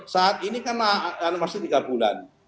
saat ini kan masih tiga bulan